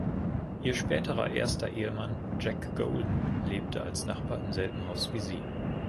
Ihr späterer erster Ehemann Jack Golden lebte als Nachbar im selben Haus wie sie.